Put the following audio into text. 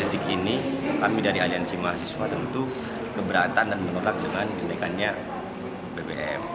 tiga detik ini kami dari aliansi mahasiswa tentu keberatan dan menolak dengan kenaikannya bbm